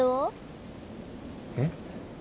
えっ。